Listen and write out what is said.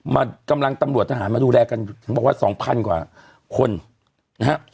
มากำลังตำรวจทหารมาดูแลกันถึงบอกว่าสองพันกว่าคนนะฮะ